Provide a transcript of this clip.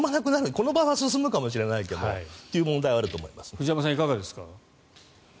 この場は進むかもしれないけれどという藤山さん、いかがですか？